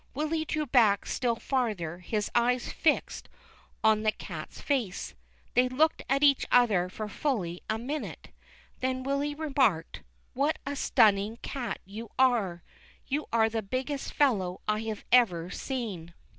Willy drew back still farther, his eyes fixed on the 362 THE CHILDREN'S WONDER BOOK. cat's face. They looked at each other for fully a minute. Then Willy remarked, "What a stunning cat you are ; you are the biggest fellow I have ever seen."